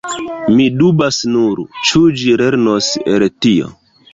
Mi dubas nur, ĉu ĝi lernos el tio.